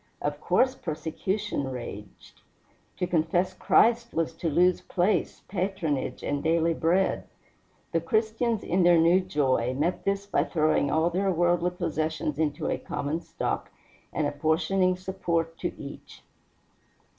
Of course persecution raged. To confess Christ was to lose place, patronage, and daily bread. The Christians, in their new joy, met this by throwing all their worldly possessions into a common stock and apportioning support to each.